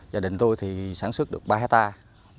gia đình tôi thì sản xuất được ba hectare